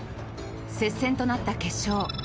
接戦となった決勝。